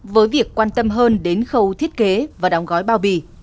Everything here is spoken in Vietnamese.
với việc quan tâm hơn đến khâu thiết kế và đóng gói bao bì